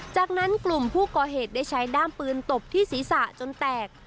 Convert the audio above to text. จากนั้นกลุ่มผู้ก่อเหตุได้ใช้ด้ามปืนตบที่ศีรษะจนแตก